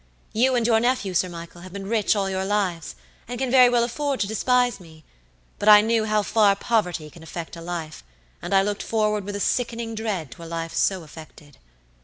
You and your nephew, Sir Michael, have been rich all your lives, and can very well afford to despise me; but I knew how far poverty can affect a life, and I looked forward with a sickening dread to a life so affected.